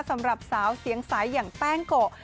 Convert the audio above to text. สำหรับสาวเสียงใสอย่างแป้งโกะ